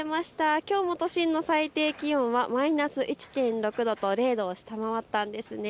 きょうの都心の最低気温はマイナス１．６度と０度を下回ったんです。